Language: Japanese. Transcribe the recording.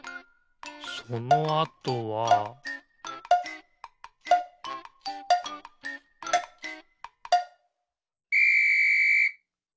そのあとはピッ！